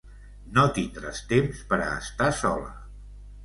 No tindràs temps per a estar sola.